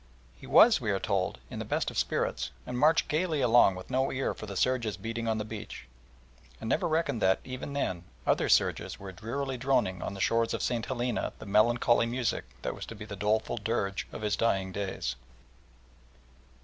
He was, we are told, in the best of spirits, and marched gaily along with no ear for the surges beating on the beach, and never recking that, even then, other surges were drearily droning on the shores of St. Helena the melancholy music that was to be the doleful dirge of his dying days.